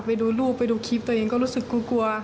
ไปดูรูปไปดูคลิปตัวเองก็รู้สึกกลัว